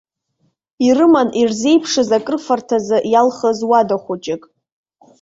Ирыман ирзеиԥшыз акрыфарҭазы иалхыз уада хәыҷык.